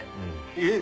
えっ？